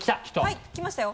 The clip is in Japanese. きましたよ。